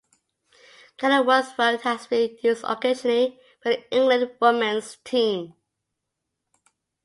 Kenilworth Road has been used occasionally by the England women's team.